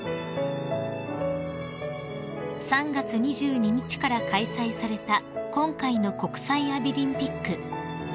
［３月２２日から開催された今回の国際アビリンピック］